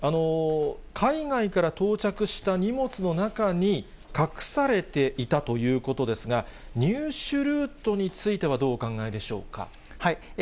海外から到着した荷物の中に、隠されていたということですが、入手ルートについてはどうお考えでしょうか？